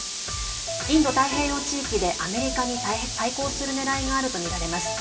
インド太平洋地域でアメリカに対抗するねらいがあるとみられます。